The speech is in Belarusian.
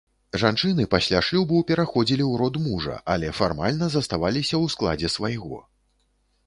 Жанчыны пасля шлюбу пераходзілі ў род мужа, але фармальна заставаліся ў складзе свайго.